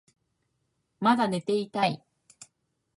まだ寝ていたい